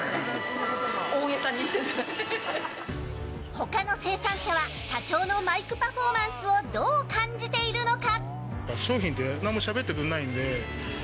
他の生産者は社長のマイクパフォーマンスをどう感じているのか。